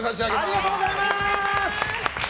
ありがとうございます！